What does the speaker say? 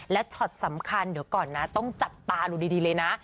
และช็อตสำคัญเดี๋ยวก่อนนะต้องจับตาดูดีเลยนะ